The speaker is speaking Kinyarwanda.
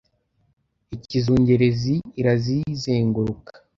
"Ikizungerezi" irazizenguruka